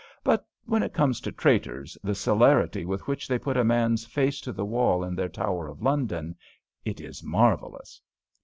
But when it comes to traitors, the celerity with which they put a man face to the wall in their Tower of London, it is marvellous!"